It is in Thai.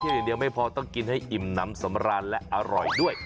อย่างเดียวไม่พอต้องกินให้อิ่มน้ำสำราญและอร่อยด้วย